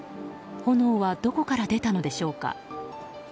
炎はどこから出たのでしょうか。